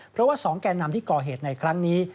เพราะว่า๒แก่นำที่ก่อเหตุในครั้งนี้